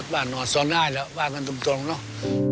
ว่านอนซ้อนร้ายละว่ากันตรงเนาะ